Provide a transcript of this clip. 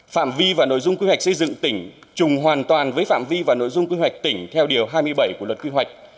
phạm vi và nội dung quy hoạch xây dựng tỉnh trùng hoàn toàn với phạm vi và nội dung quy hoạch tỉnh theo điều hai mươi bảy của luật quy hoạch